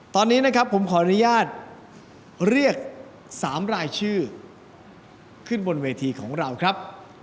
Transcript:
ตอนนี้นะครับผมขออนุญาตเรียก๓รายชื่อขึ้นบนเวทีของเราครับ